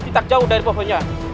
di tak jauh dari pohonnya